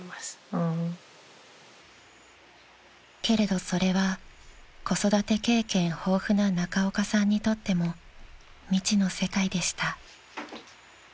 ［けれどそれは子育て経験豊富な中岡さんにとっても未知の世界でした］